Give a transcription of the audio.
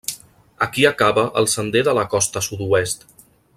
Aquí acaba el Sender de la Costa Sud-oest.